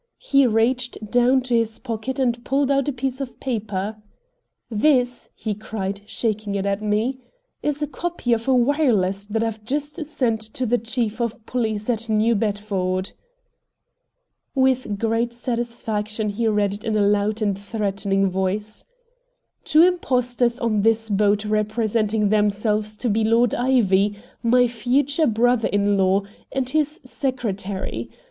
He reached down into his pocket and pulled out a piece of paper. "This," he cried, shaking it at me, "is a copy of a wireless that I've just sent to the chief of police at New Bedford." With great satisfaction he read it in a loud and threatening voice: "Two impostors on this boat representing themselves to be Lord Ivy, my future brother in law, and his secretary.